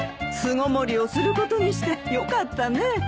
巣ごもりをすることにしてよかったね。